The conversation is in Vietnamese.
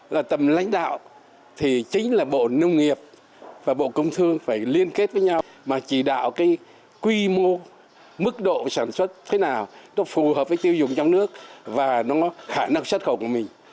và tầm lãnh đạo thì chính là bộ nông nghiệp và bộ công thương phải liên kết với nhau mà chỉ đạo cái quy mô mức độ sản xuất thế nào nó phù hợp với tiêu dùng trong nước và khả năng xuất khẩu của mình